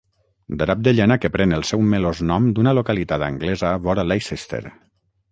Drap de llana que pren el seu melós nom d'una localitat anglesa vora Leicester.